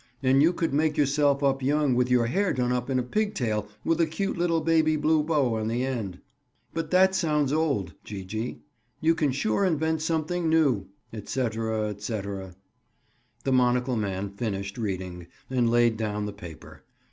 And you could make yourself up young with your hair done up in a pigtail, with a cute little baby blue bow on the end.' "'But that sounds old, Gee gee. You can sure invent something new—'" etc., etc. The monocle man finished reading and laid down the paper.